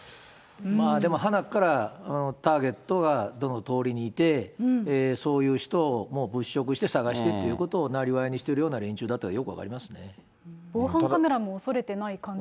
でもはなっから、ターゲットがどの通りにいて、そういう人を物色して探してっていうことをなりわいにしてる連中防犯カメラも恐れてない感じ